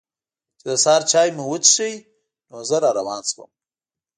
چې د سهار چای مو وڅښه نو زه را روان شوم.